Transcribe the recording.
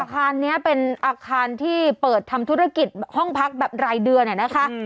อาคารนี้เป็นอาคารที่เปิดทำธุรกิจห้องพักแบบรายเดือนนะคะ